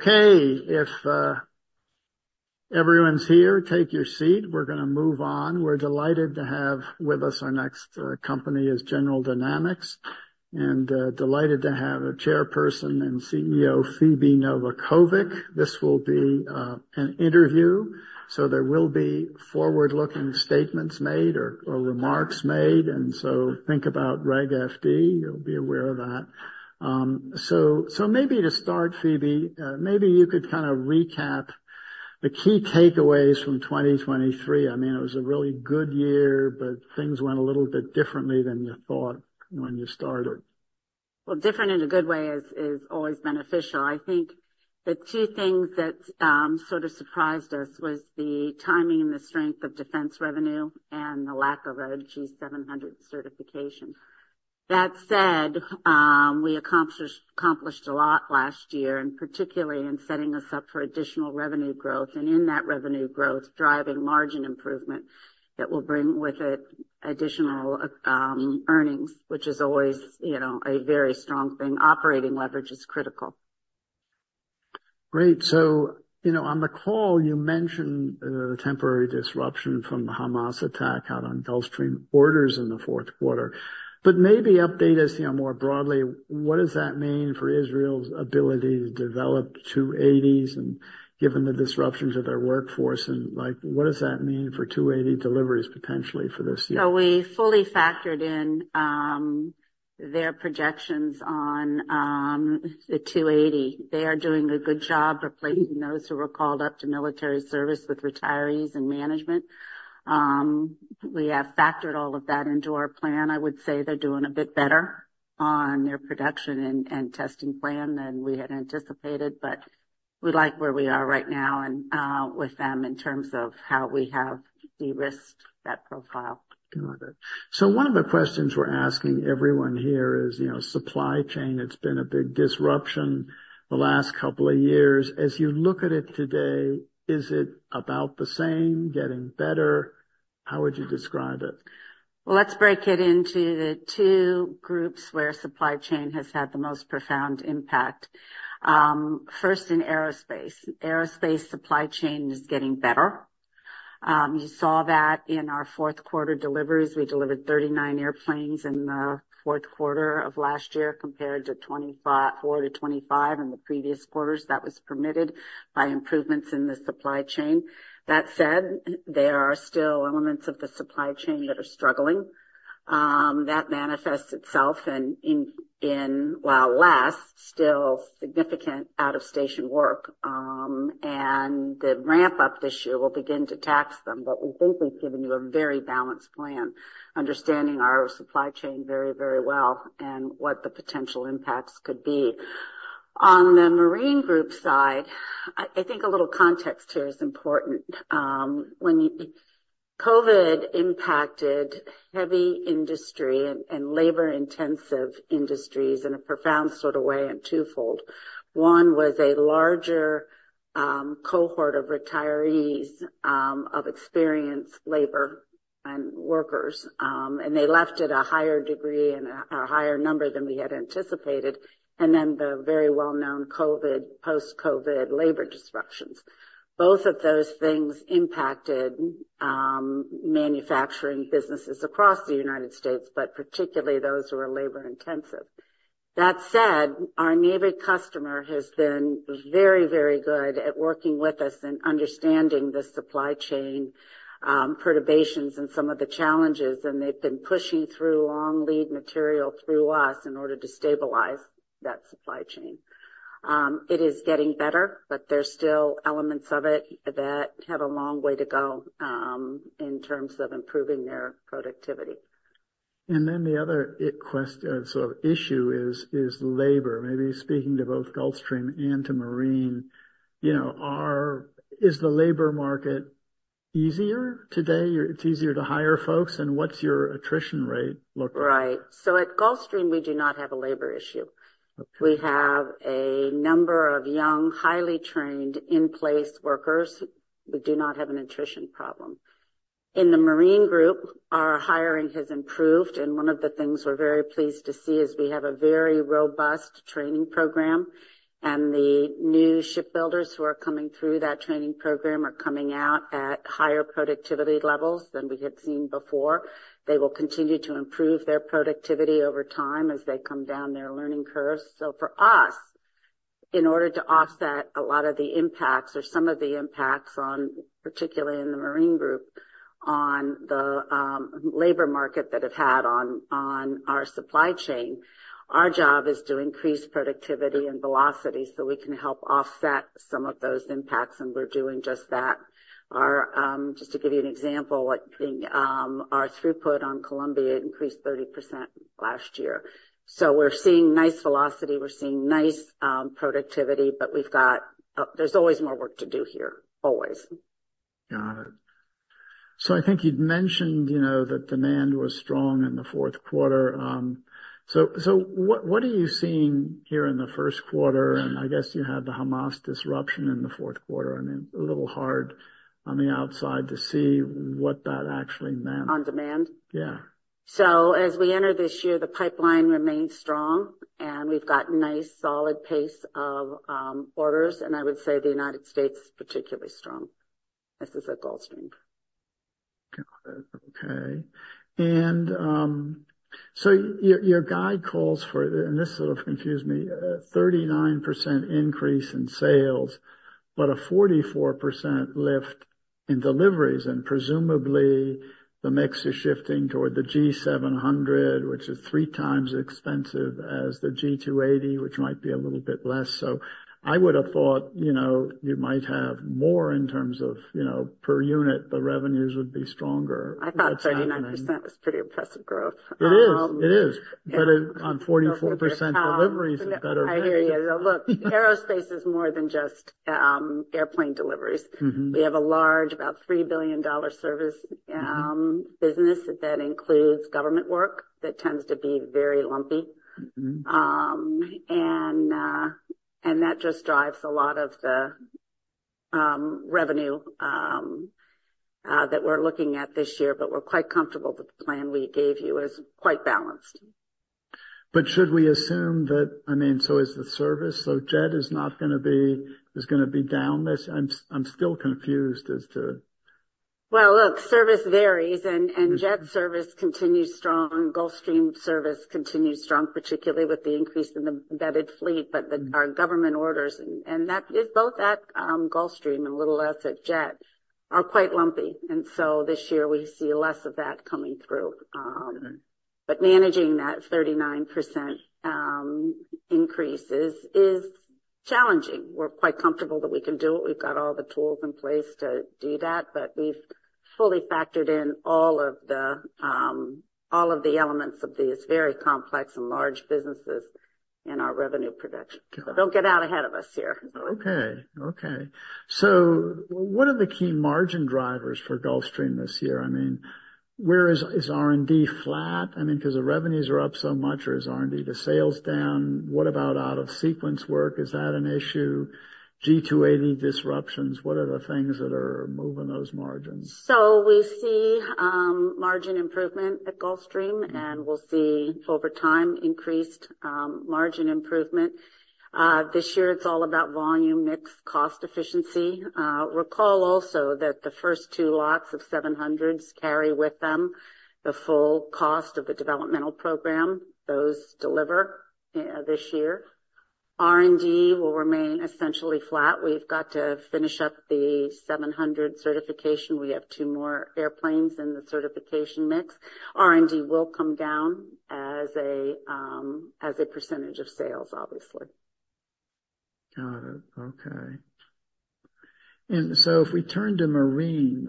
Okay, if everyone's here, take your seat. We're going to move on. We're delighted to have with us our next company is General Dynamics, and delighted to have a chairperson and CEO Phebe Novakovic. This will be an interview, so there will be forward-looking statements made or remarks made, and so think about Reg FD. You'll be aware of that. So maybe to start, Phebe, maybe you could kind of recap the key takeaways from 2023. I mean, it was a really good year, but things went a little bit differently than you thought when you started. Well, different in a good way is always beneficial. I think the two things that sort of surprised us was the timing and the strength of defense revenue and the lack of a G700 certification. That said, we accomplished a lot last year, and particularly in setting us up for additional revenue growth, and in that revenue growth driving margin improvement that will bring with it additional earnings, which is always, you know, a very strong thing. Operating leverage is critical. Great. So, you know, on the call you mentioned, the temporary disruption from the Hamas attack out on Gulfstream orders in the fourth quarter. But maybe update us, you know, more broadly, what does that mean for Israel's ability to develop G280s and given the disruption to their workforce, and, like, what does that mean for G280 deliveries potentially for this year? So we fully factored in their projections on the 280. They are doing a good job replacing those who were called up to military service with retirees and management. We have factored all of that into our plan. I would say they're doing a bit better on their production and testing plan than we had anticipated, but we like where we are right now and with them in terms of how we have de-risked that profile. Got it. So one of the questions we're asking everyone here is, you know, supply chain. It's been a big disruption the last couple of years. As you look at it today, is it about the same, getting better? How would you describe it? Well, let's break it into the two groups where supply chain has had the most profound impact. First in aerospace. Aerospace supply chain is getting better. You saw that in our fourth quarter deliveries. We delivered 39 airplanes in the fourth quarter of last year compared to 24-25 in the previous quarters. That was permitted by improvements in the supply chain. That said, there are still elements of the supply chain that are struggling. That manifests itself in, well, it's still significant out-of-station work, and the ramp-up this year will begin to tax them, but we think we've given you a very balanced plan, understanding our supply chain very, very well and what the potential impacts could be. On the Marine Group side, I think a little context here is important. When COVID impacted heavy industry and labor-intensive industries in a profound sort of way and twofold. One was a larger cohort of retirees of experienced labor and workers, and they left at a higher degree and a higher number than we had anticipated. And then the very well-known COVID post-COVID labor disruptions. Both of those things impacted manufacturing businesses across the United States, but particularly those who are labor-intensive. That said, our Navy customer has been very, very good at working with us and understanding the supply chain perturbations and some of the challenges, and they've been pushing through long lead material through us in order to stabilize that supply chain. It is getting better, but there's still elements of it that have a long way to go in terms of improving their productivity. Then the other question, sort of issue, is labor. Maybe speaking to both Gulfstream and to Marine, you know, is the labor market easier today? Or is it easier to hire folks, and what's your attrition rate look like? Right. So at Gulfstream, we do not have a labor issue. We have a number of young, highly trained, in-place workers. We do not have an attrition problem. In the Marine Systems, our hiring has improved, and one of the things we're very pleased to see is we have a very robust training program, and the new shipbuilders who are coming through that training program are coming out at higher productivity levels than we had seen before. They will continue to improve their productivity over time as they come down their learning curve. So for us, in order to offset a lot of the impacts or some of the impacts on, particularly in the Marine Group, on the labor market that it had on our supply chain, our job is to increase productivity and velocity so we can help offset some of those impacts, and we're doing just that. Our, just to give you an example, like, our throughput on Columbia increased 30% last year. So we're seeing nice velocity. We're seeing nice productivity, but we've got, there's always more work to do here, always. Got it. So I think you'd mentioned, you know, that demand was strong in the fourth quarter. So what are you seeing here in the first quarter? And I guess you had the Hamas disruption in the fourth quarter. I mean, a little hard on the outside to see what that actually meant. On demand? Yeah. So as we enter this year, the pipeline remains strong, and we've got a nice, solid pace of orders, and I would say the United States is particularly strong. This is at Gulfstream. Got it. Okay. And so your guide calls for, and this sort of confused me, a 39% increase in sales but a 44% lift in deliveries, and presumably the mix is shifting toward the G700, which is three times as expensive as the G280, which might be a little bit less. So I would have thought, you know, you might have more in terms of, you know, per unit, the revenues would be stronger. I thought 39% was pretty impressive growth. It is. It is. But it's on 44% deliveries and better pay. I hear you. Look, aerospace is more than just airplane deliveries. We have a large, about $3 billion service business that includes government work that tends to be very lumpy. And that just drives a lot of the revenue that we're looking at this year, but we're quite comfortable that the plan we gave you is quite balanced. But should we assume that, I mean, so is the service? So Jet is not going to be, is going to be down this? I'm, I'm still confused as to. Well, look, service varies, and Jet service continues strong. Gulfstream service continues strong, particularly with the increase in the embedded fleet, but our government orders, and that is both at Gulfstream and a little less at Jet, are quite lumpy. And so this year we see less of that coming through. But managing that 39% increase is challenging. We're quite comfortable that we can do it. We've got all the tools in place to do that, but we've fully factored in all of the elements of these very complex and large businesses in our revenue production. So don't get out ahead of us here. Okay. Okay. So what are the key margin drivers for Gulfstream this year? I mean, where is, is R&D flat? I mean, because the revenues are up so much, or is R&D to sales down? What about out-of-station work? Is that an issue? G280 disruptions. What are the things that are moving those margins? So we see margin improvement at Gulfstream, and we'll see over time increased margin improvement. This year it's all about volume mix, cost efficiency. Recall also that the first two lots of 700s carry with them the full cost of the developmental program. Those deliver this year. R&D will remain essentially flat. We've got to finish up the 700 certification. We have two more airplanes in the certification mix. R&D will come down as a percentage of sales, obviously. Got it. Okay. And so if we turn to Marine,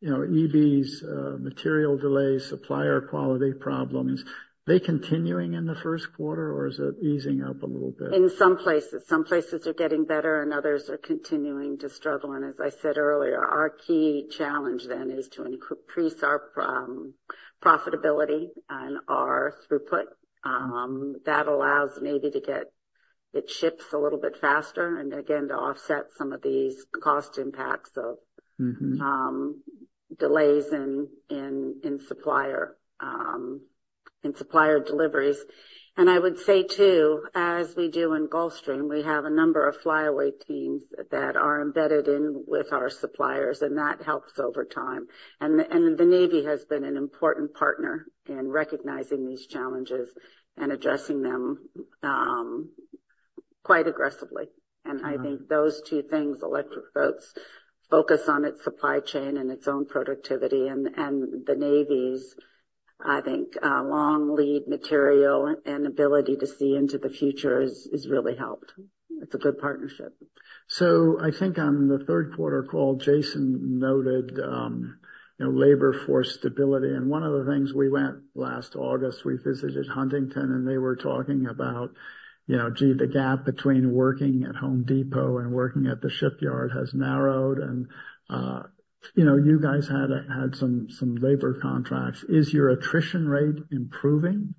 you know, EBs, material delays, supplier quality problems, they continuing in the first quarter, or is it easing up a little bit? In some places. Some places are getting better, and others are continuing to struggle. And as I said earlier, our key challenge then is to increase our profitability and our throughput that allows Navy to get its ships a little bit faster and, again, to offset some of these cost impacts of delays in supplier deliveries. And I would say, too, as we do in Gulfstream, we have a number of flyaway teams that are embedded in with our suppliers, and that helps over time. And the Navy has been an important partner in recognizing these challenges and addressing them, quite aggressively. And I think those two things, Electric Boat's focus on its supply chain and its own productivity, and the Navy's, I think, long lead material and ability to see into the future is really helped. It's a good partnership. I think on the third quarter call, Jason noted, you know, labor force stability. One of the things we went last August, we visited Huntington, and they were talking about, you know, gee, the gap between working at Home Depot and working at the shipyard has narrowed, and, you know, you guys had some labor contracts. Is your attrition rate improving?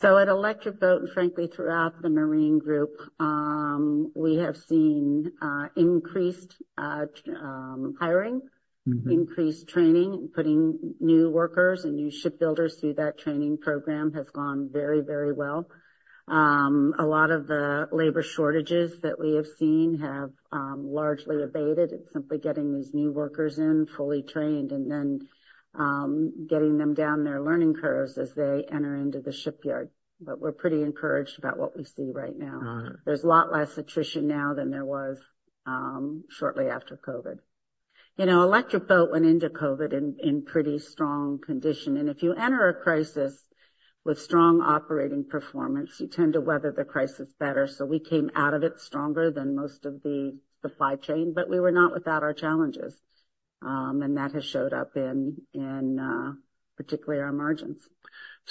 So at Electric Boat and frankly throughout the Marine Group, we have seen increased hiring, increased training. Putting new workers and new shipbuilders through that training program has gone very, very well. A lot of the labor shortages that we have seen have largely abated. It's simply getting these new workers in, fully trained, and then getting them down their learning curves as they enter into the shipyard. But we're pretty encouraged about what we see right now. There's a lot less attrition now than there was shortly after COVID. You know, Electric Boat went into COVID in pretty strong condition, and if you enter a crisis with strong operating performance, you tend to weather the crisis better. So we came out of it stronger than most of the supply chain, but we were not without our challenges. And that has showed up in particularly our margins.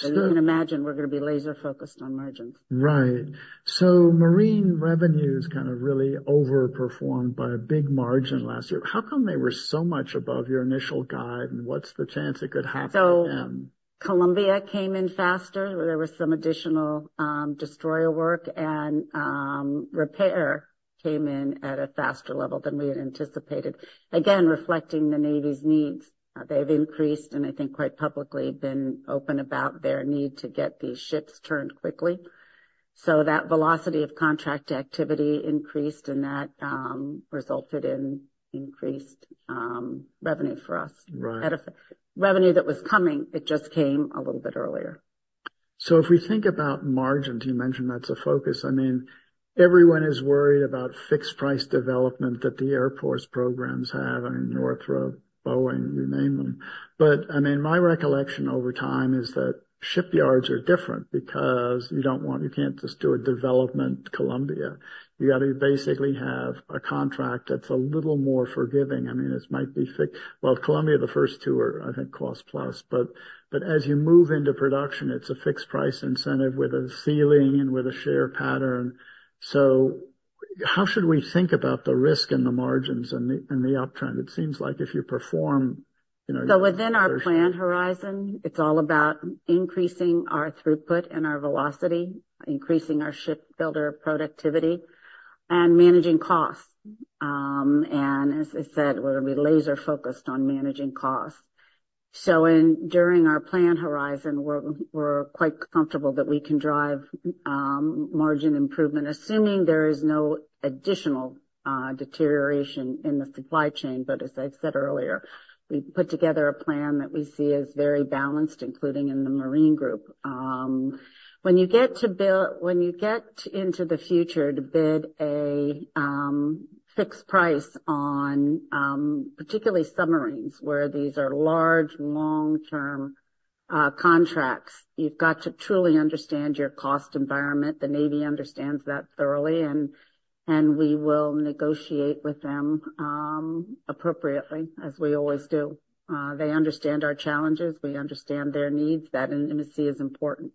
You can imagine we're going to be laser-focused on margins. Right. So Marine revenue is kind of really overperformed by a big margin last year. How come they were so much above your initial guide, and what's the chance it could happen again? So Columbia came in faster. There was some additional destroyer work, and repair came in at a faster level than we had anticipated, again reflecting the Navy's needs. They've increased and, I think, quite publicly been open about their need to get these ships turned quickly. So that velocity of contract activity increased, and that resulted in increased revenue for us. Right. Revenue that was coming, it just came a little bit earlier. So if we think about margins, you mentioned that's a focus. I mean, everyone is worried about fixed-price development that the Air Force programs have. I mean, Northrop, Boeing, you name them. But I mean, my recollection over time is that shipyards are different because you don't want – you can't just do a development Columbia. You got to basically have a contract that's a little more forgiving. I mean, it might be fixed – well, Columbia, the first two are, I think, cost-plus, but as you move into production, it's a fixed-price incentive with a ceiling and with a share pattern. So how should we think about the risk and the margins and the uptrend? It seems like if you perform, you know. So within our plan horizon, it's all about increasing our throughput and our velocity, increasing our shipbuilder productivity, and managing costs. As I said, we're going to be laser-focused on managing costs. So during our plan horizon, we're quite comfortable that we can drive margin improvement, assuming there is no additional deterioration in the supply chain. But as I said earlier, we put together a plan that we see as very balanced, including in the Marine Group. When you get into the future to bid a fixed price on particularly submarines, where these are large, long-term contracts, you've got to truly understand your cost environment. The Navy understands that thoroughly, and we will negotiate with them appropriately, as we always do. They understand our challenges. We understand their needs. That intimacy is important.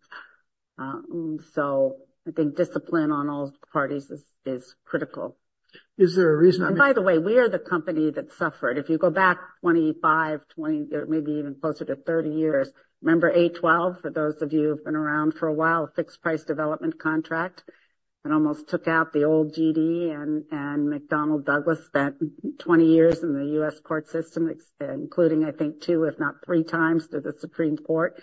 I think discipline on all parties is critical. Is there a reason? And by the way, we are the company that suffered. If you go back 25, 20, or maybe even closer to 30 years remember A-12, for those of you who've been around for a while, fixed-price development contract? It almost took out the old GD, and McDonnell Douglas spent 20 years in the U.S. court system, including, I think, two, if not 3x, to the Supreme Court.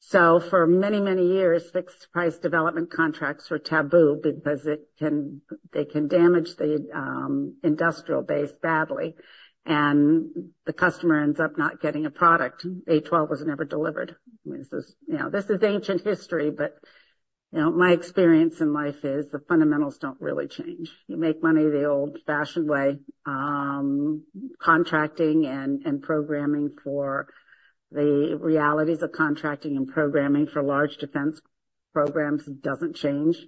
So for many, many years, fixed-price development contracts were taboo because they can damage the industrial base badly, and the customer ends up not getting a product. A-12 was never delivered. I mean, this is you know, this is ancient history, but, you know, my experience in life is the fundamentals don't really change. You make money the old-fashioned way. Contracting and programming for the realities of contracting and programming for large defense programs doesn't change.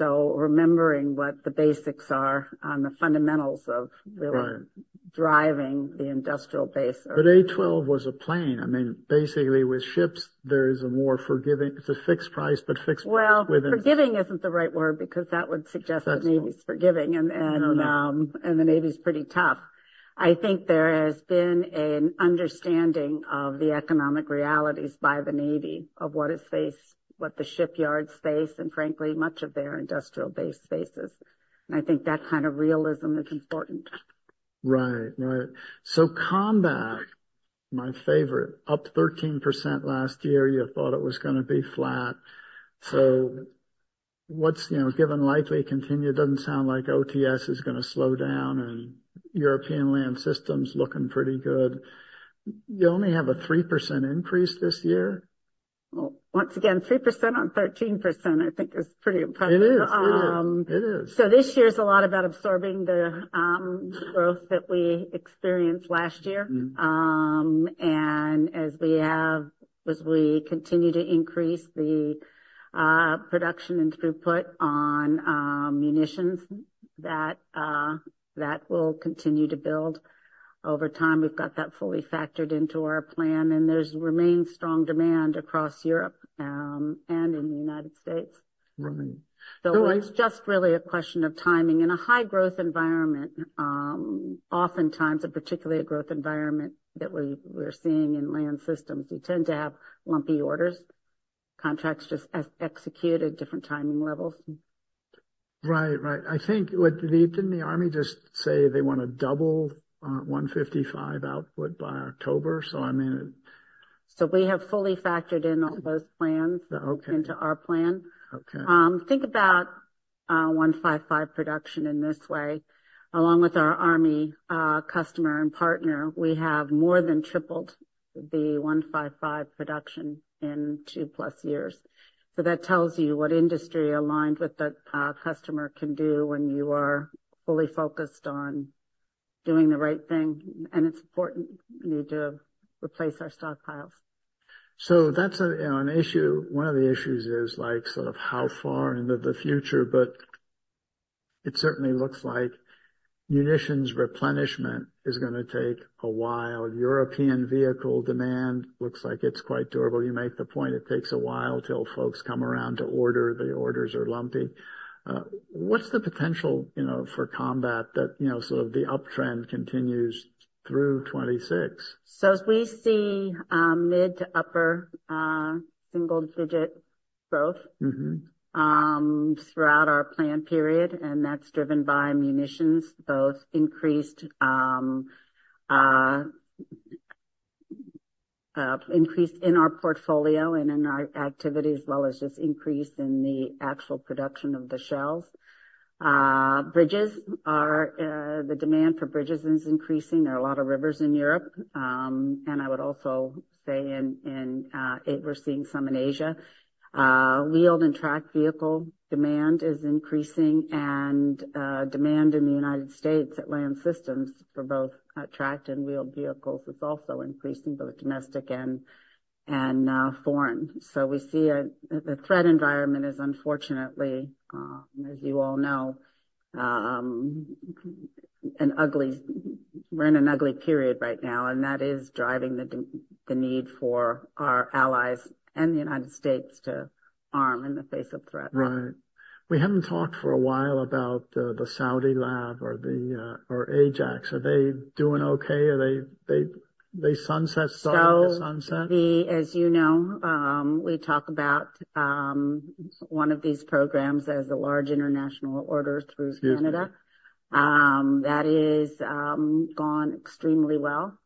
Remembering what the basics are and the fundamentals of really driving the industrial base are. But A-12 was a plane. I mean, basically, with ships, there is a more forgiving, it's a fixed price, but fixed price within. Well, forgiving isn't the right word because that would suggest that Navy's forgiving, and the Navy's pretty tough. I think there has been an understanding of the economic realities by the Navy of what it faced, what the shipyard faced, and frankly, much of their industrial-based spaces. And I think that kind of realism is important. Right. Right. So Combat, my favorite, up 13% last year. You thought it was going to be flat. So what's, you know, given likely continued doesn't sound like OTS is going to slow down, and European Land Systems looking pretty good. You only have a 3% increase this year. Well, once again, 3% on 13%, I think, is pretty impressive. It is. It is. It is. So this year's a lot about absorbing the growth that we experienced last year. As we continue to increase the production and throughput on munitions, that will continue to build over time. We've got that fully factored into our plan, and there remains strong demand across Europe and in the United States. Right. It's just really a question of timing. In a high-growth environment, oftentimes, and particularly a growth environment that we're seeing in Land Systems, you tend to have lumpy orders. Contracts just execute at different timing levels. Right. Right. I think what Doug and the Army just say they want to double 155 output by October. So, I mean. We have fully factored in all those plans into our plan. Okay. Okay. Think about 155 production in this way. Along with our Army customer and partner, we have more than tripled the 155 production in two plus years. So that tells you what industry aligned with the customer can do when you are fully focused on doing the right thing. And it's important. We need to replace our stockpiles. So that's a, you know, an issue. One of the issues is, like, sort of how far into the future, but it certainly looks like munitions replenishment is going to take a while. European vehicle demand looks like it's quite durable. You make the point. It takes a while till folks come around to order. The orders are lumpy. What's the potential, you know, for combat that, you know, sort of the uptrend continues through 2026? So we see mid- to upper-single-digit growth throughout our plan period, and that's driven by munitions, both increased, increased in our portfolio and in our activity as well as just increase in the actual production of the shells. Bridges are, the demand for bridges is increasing. There are a lot of rivers in Europe, and I would also say in, in, we're seeing some in Asia. Wheeled and tracked vehicle demand is increasing, and demand in the United States at Land Systems for both tracked and wheeled vehicles is also increasing, both domestic and, and, foreign. So we see a the threat environment is, unfortunately, as you all know, an ugly we're in an ugly period right now, and that is driving the, the need for our allies and the United States to arm in the face of threat. Right. We haven't talked for a while about the Saudi LAV or Ajax. Are they doing okay? Are they started to sunset? So we, as you know, we talk about one of these programs as a large international order through Canada that is gone extremely well.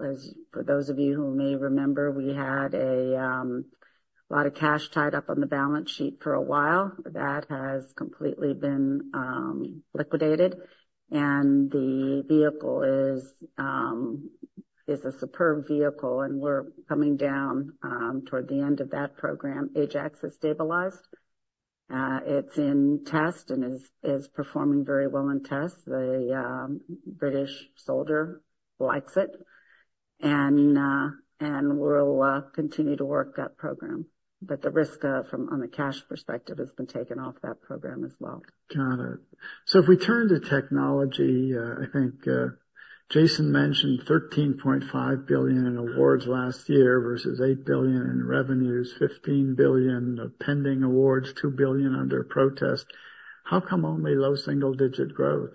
As for those of you who may remember, we had a lot of cash tied up on the balance sheet for a while. That has completely been liquidated, and the vehicle is a superb vehicle, and we're coming down toward the end of that program. Ajax is stabilized. It's in test and is performing very well in tests. The British soldier likes it, and we'll continue to work that program. But the risk from on the cash perspective has been taken off that program as well. Got it. So if we turn to Technology, I think, Jason mentioned $13.5 billion in awards last year versus $8 billion in revenues, $15 billion of pending awards, $2 billion under protest. How come only low single-digit growth?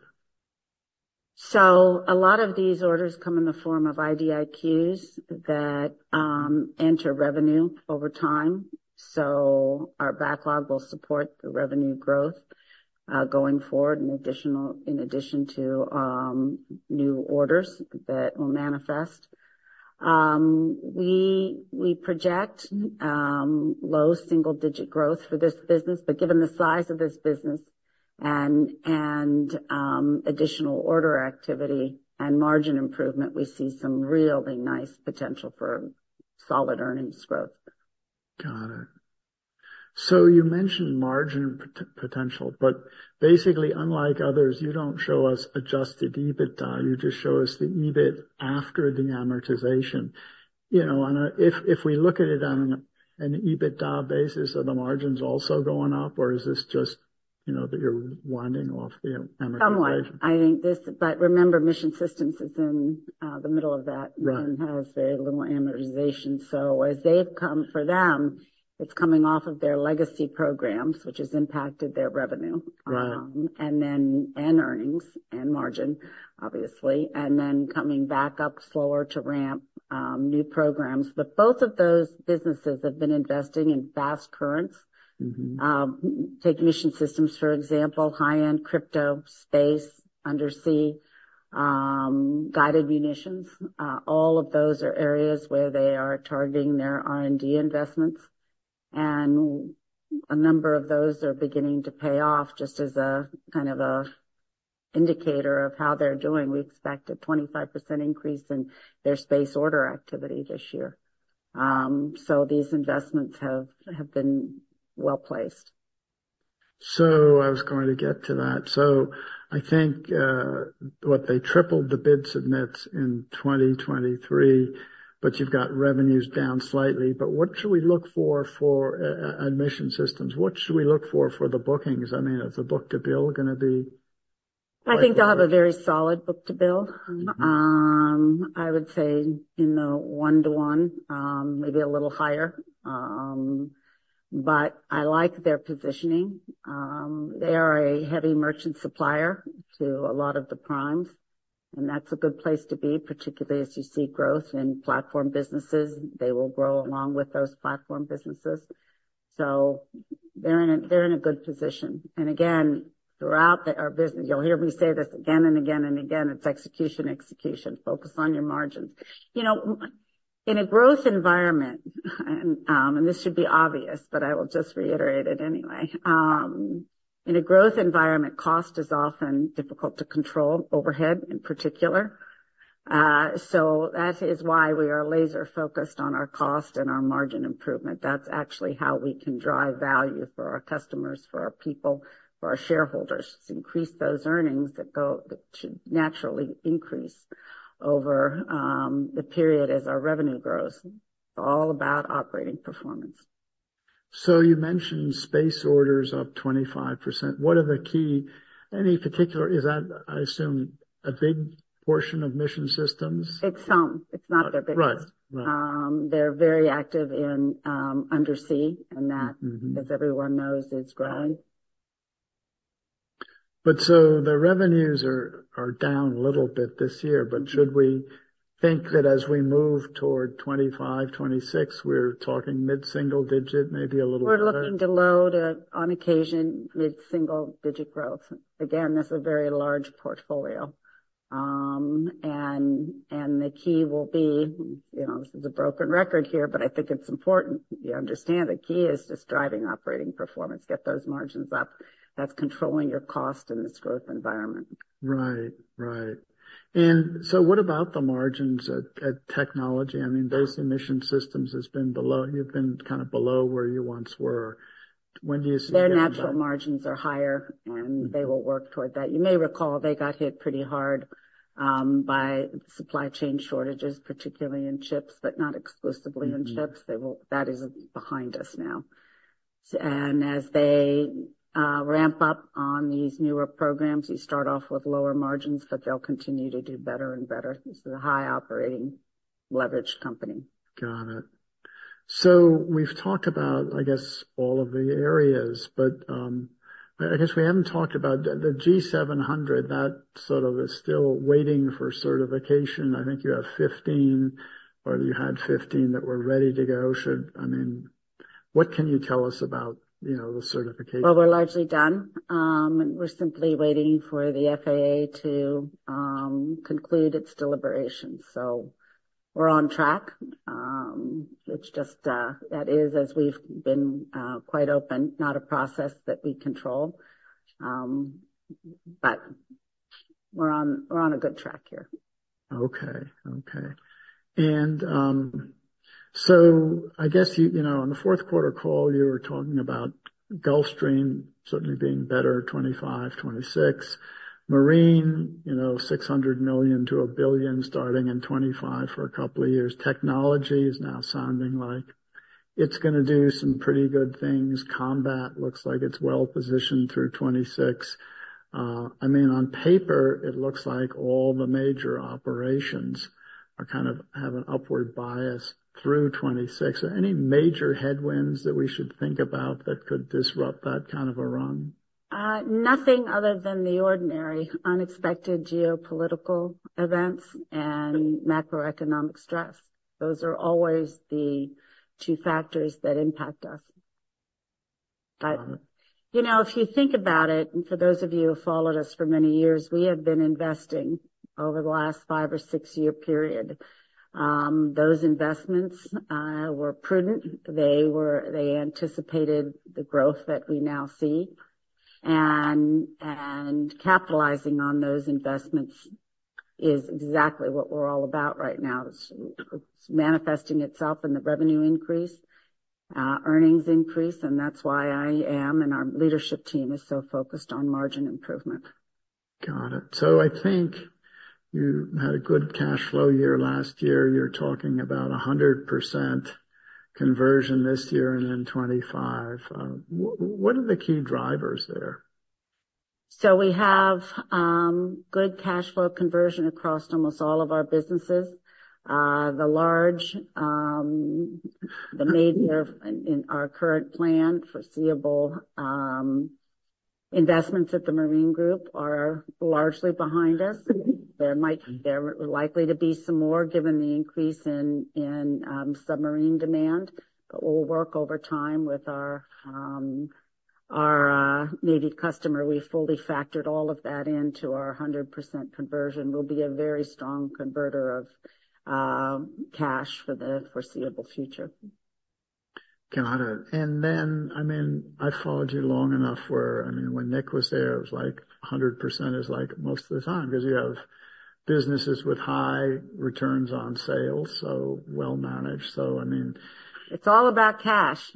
So a lot of these orders come in the form of IDIQs that enter revenue over time. So our backlog will support the revenue growth going forward in addition to new orders that will manifest. We project low single-digit growth for this business, but given the size of this business and additional order activity and margin improvement, we see some really nice potential for solid earnings growth. Got it. So you mentioned margin potential, but basically, unlike others, you don't show us adjusted EBITDA. You just show us the EBIT after the amortization. You know, if we look at it on an EBITDA basis, are the margins also going up, or is this just, you know, that you're winding off the amortization? Somewhat. I think this, but remember, Mission Systems is in the middle of that and has very little amortization. So as they've come for them, it's coming off of their legacy programs, which has impacted their revenue, and then earnings and margin, obviously, and then coming back up slower to ramp new programs. But both of those businesses have been investing in fast currents. Take Mission Systems, for example, high-end crypto space, undersea, guided munitions. All of those are areas where they are targeting their R&D investments, and a number of those are beginning to pay off just as a kind of a indicator of how they're doing. We expect a 25% increase in their space order activity this year. So these investments have been well-placed. I was going to get to that. I think, what, they tripled the bid submits in 2023, but you've got revenues down slightly. But what should we look for at Mission Systems? What should we look for for the bookings? I mean, is the book-to-bill going to be? I think they'll have a very solid book-to-bill. I would say in the 1:1, maybe a little higher. But I like their positioning. They are a heavy merchant supplier to a lot of the primes, and that's a good place to be, particularly as you see growth in platform businesses. They will grow along with those platform businesses. So they're in a they're in a good position. And again, throughout our business you'll hear me say this again and again and again. It's execution, execution. Focus on your margins. You know, in a growth environment and, and this should be obvious, but I will just reiterate it anyway. In a growth environment, cost is often difficult to control, overhead in particular. So that is why we are laser-focused on our cost and our margin improvement. That's actually how we can drive value for our customers, for our people, for our shareholders. It's increase those earnings that should naturally increase over the period as our revenue grows. It's all about operating performance. So you mentioned space orders up 25%. What are the key, any particular? Is that, I assume, a big portion of Mission Systems? It's some. It's not their big portion. Right. Right. They're very active in undersea, and that, as everyone knows, is growing. The revenues are down a little bit this year, but should we think that as we move toward 2025, 2026, we're talking mid-single digit, maybe a little bit? We're looking to low- to on occasion, mid-single-digit growth. Again, that's a very large portfolio. The key will be you know, this is a broken record here, but I think it's important. You understand the key is just driving operating performance, get those margins up. That's controlling your cost in this growth environment. Right. Right. So what about the margins at Technology? I mean, basically, Mission Systems has been below. You've been kind of below where you once were. When do you see that? Their natural margins are higher, and they will work toward that. You may recall they got hit pretty hard by supply chain shortages, particularly in chips, but not exclusively in chips. That is behind us now. As they ramp up on these newer programs, you start off with lower margins, but they'll continue to do better and better. This is a high operating leverage company. Got it. So we've talked about, I guess, all of the areas, but, I guess we haven't talked about the G700. That sort of is still waiting for certification. I think you have 15, or you had 15 that were ready to go. I mean, what can you tell us about, you know, the certification? Well, we're largely done. We're simply waiting for the FAA to conclude its deliberations. So we're on track. It's just that is, as we've been quite open, not a process that we control. But we're on a good track here. Okay. Okay. So I guess you, you know, on the fourth-quarter call, you were talking about Gulfstream certainly being better 2025, 2026. Marine, you know, $600 million-$1 billion starting in 2025 for a couple of years. Technology is now sounding like it's going to do some pretty good things. Combat looks like it's well-positioned through 2026. I mean, on paper, it looks like all the major operations are kind of have an upward bias through 2026. Are any major headwinds that we should think about that could disrupt that kind of a run? Nothing other than the ordinary, unexpected geopolitical events and macroeconomic stress. Those are always the two factors that impact us. But, you know, if you think about it, and for those of you who have followed us for many years, we have been investing over the last five or six year period. Those investments were prudent. They anticipated the growth that we now see, and capitalizing on those investments is exactly what we're all about right now. It's manifesting itself in the revenue increase, earnings increase, and that's why I am and our leadership team is so focused on margin improvement. Got it. So I think you had a good cash flow year last year. You're talking about 100% conversion this year and in 2025. What are the key drivers there? So we have good cash flow conversion across almost all of our businesses. The large, the major in our current plan, foreseeable, investments at the Marine Group are largely behind us. There are likely to be some more given the increase in submarine demand, but we'll work over time with our Navy customer. We fully factored all of that into our 100% conversion. We'll be a very strong converter of cash for the foreseeable future. Got it. And then, I mean, I followed you long enough where I mean, when Nick was there, it was like 100% is like most of the time because you have businesses with high returns on sales, so well-managed. So, I mean. It's all about cash.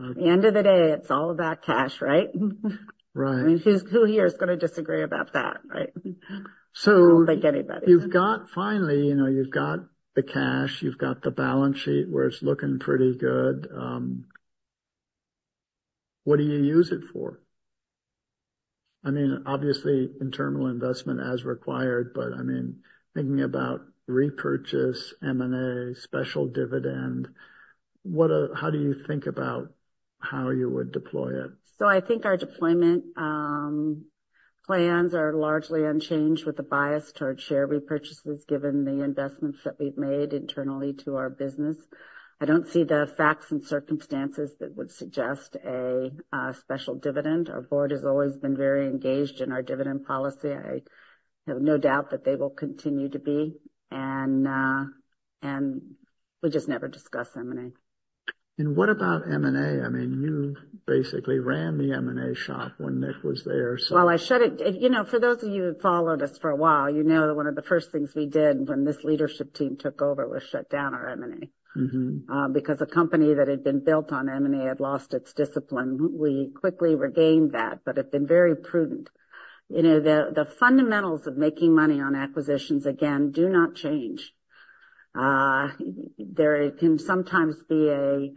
At the end of the day, it's all about cash, right? Right. I mean, who's who here is going to disagree about that, right? I don't think anybody. So you've finally got, you know, you've got the cash. You've got the balance sheet, where it's looking pretty good. What do you use it for? I mean, obviously, in capital investment as required, but I mean, thinking about repurchase, M&A, special dividend, what, how do you think about how you would deploy it? So I think our deployment plans are largely unchanged with a bias toward share repurchases given the investments that we've made internally to our business. I don't see the facts and circumstances that would suggest a special dividend. Our board has always been very engaged in our dividend policy. I have no doubt that they will continue to be, and we just never discuss M&A. What about M&A? I mean, you basically ran the M&A shop when Nick was there, so. Well, as you know, for those of you who've followed us for a while, you know that one of the first things we did when this leadership team took over was shut down our M&A, because a company that had been built on M&A had lost its discipline. We quickly regained that, but it's been very prudent. You know, the fundamentals of making money on acquisitions, again, do not change. There can sometimes be an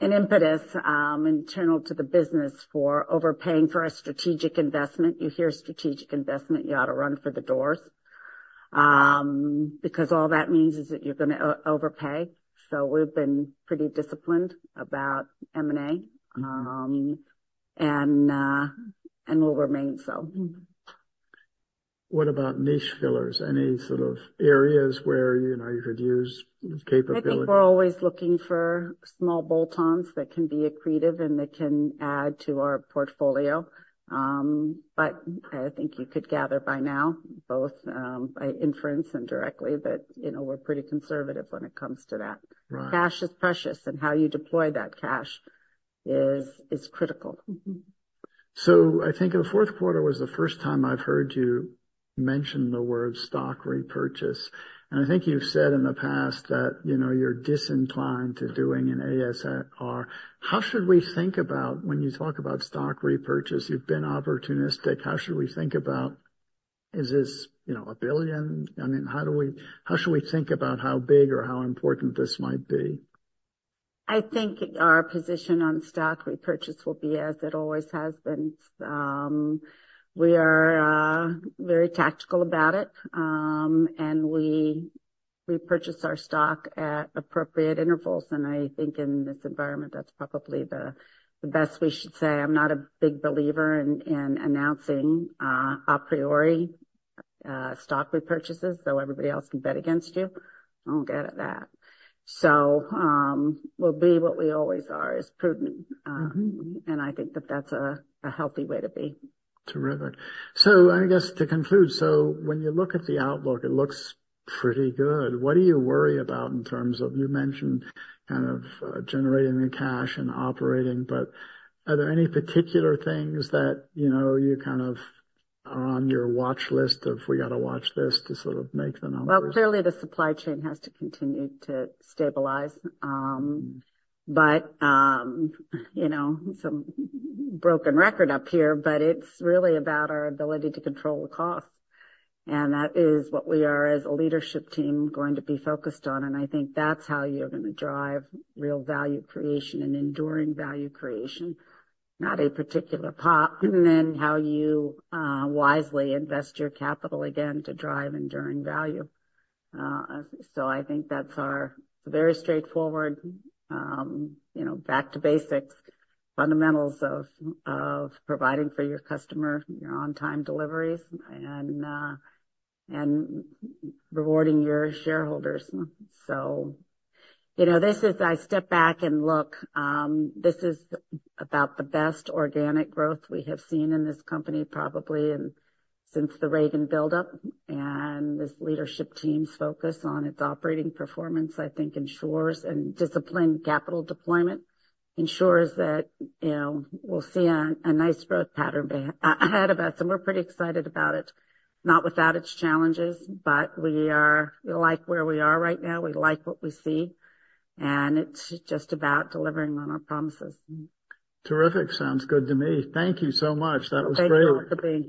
impetus, internal to the business, for overpaying for a strategic investment. You hear strategic investment, you ought to run for the doors, because all that means is that you're going to overpay. So we've been pretty disciplined about M&A, and we'll remain so. What about niche fillers? Any sort of areas where, you know, you could use capability? I think we're always looking for small bolt-ons that can be accretive and that can add to our portfolio. But I think you could gather by now, both by inference and directly, but, you know, we're pretty conservative when it comes to that. Cash is precious, and how you deploy that cash is critical. I think in the fourth quarter was the first time I've heard you mention the word stock repurchase. And I think you've said in the past that, you know, you're disinclined to doing an ASR. How should we think about when you talk about stock repurchase? You've been opportunistic. How should we think about is this, you know, $1 billion? I mean, how do we how should we think about how big or how important this might be? I think our position on stock repurchase will be as it always has been. We are very tactical about it, and we repurchase our stock at appropriate intervals. I think in this environment, that's probably the best we should say. I'm not a big believer in announcing a priori stock repurchases, though everybody else can bet against you. I don't get at that. We'll be what we always are, is prudent. I think that that's a healthy way to be. Terrific. I guess to conclude, so when you look at the outlook, it looks pretty good. What do you worry about in terms of you mentioned kind of generating the cash and operating, but are there any particular things that, you know, you kind of are on your watch list of, "We got to watch this," to sort of make the numbers? Well, clearly, the supply chain has to continue to stabilize. But, you know, some broken record up here, but it's really about our ability to control the cost. And that is what we are as a leadership team going to be focused on. And I think that's how you're going to drive real value creation and enduring value creation, not a particular pop, and then how you wisely invest your capital again to drive enduring value. So I think that's our—it's a very straightforward, you know, back to basics, fundamentals of providing for your customer your on-time deliveries and rewarding your shareholders. So, you know, this is—I step back and look—this is about the best organic growth we have seen in this company, probably, since the Reagan buildup. This leadership team's focus on its operating performance, I think, ensures, and disciplined capital deployment ensures that, you know, we'll see a nice growth pattern ahead of us. We're pretty excited about it, not without its challenges, but we are, we like where we are right now. We like what we see. It's just about delivering on our promises. Terrific. Sounds good to me. Thank you so much. That was great. Thank you for being here.